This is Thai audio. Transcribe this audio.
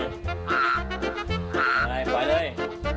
ทำอะไรปล่อยเลย